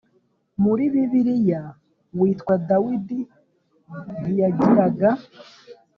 Muri bibiliya witwa dawidi ntiyagiraga